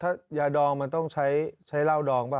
ถ้ายาดองมันต้องใช้เหล้าดองป่